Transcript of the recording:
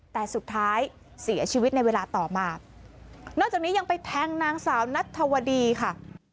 แต่สุดท้ายเสียชีวิตในเวลาต่อมานอกจากนี้ยังไปแทงนางสาวนัทธวดีค่ะ